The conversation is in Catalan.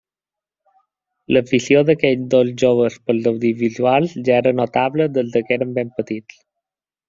L'afició d'aquests dos joves pels audiovisuals ja era notable des que eren ben petits.